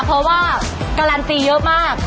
เพราะว่าการันตีเยอะมาก